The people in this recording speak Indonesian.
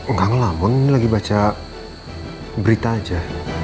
nggak ngelamun lagi baca berita aja